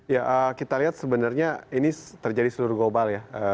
ya kita lihat sebenarnya ini terjadi seluruh global ya